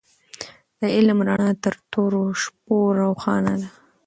د علم رڼا تر تورې شپې روښانه ده.